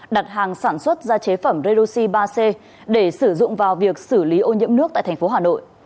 đặt hàng sản xuất ra chế phẩm reduxy ba c để sử dụng vào việc xử lý ô nhiễm nước tại tp hà nội